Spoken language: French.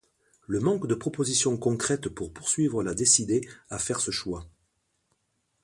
Le manque de propositions concrètes pour poursuivre l'a décidé à faire ce choix.